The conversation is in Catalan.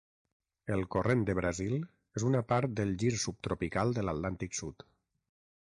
El Corrent de Brasil és una part del Gir Subtropical de l'Atlàntic Sud.